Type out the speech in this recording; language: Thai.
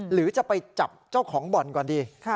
หรือจะไปจับเจ้าของบ่อนก่อนดี